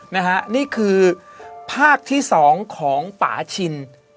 นะฮะนี่คือภาคที่๒ของป่าชิน